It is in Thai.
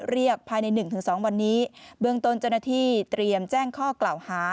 เรียกภายใน๑๒วันนี้เบื้องต้นเจ้าหน้าที่เตรียมแจ้งข้อกล่าวหา